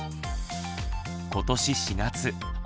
今年４月あ